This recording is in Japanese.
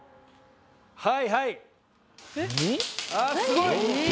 はいはい。